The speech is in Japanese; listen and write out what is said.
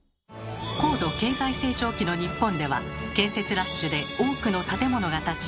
高度経済成長期の日本では建設ラッシュで多くの建物が建ち